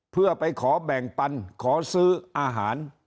เพื่อไปขอแบ่งปันขอซื้ออาหาร